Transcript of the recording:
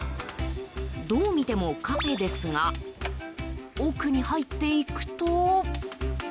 どうみてもカフェですが奥に入って行くと。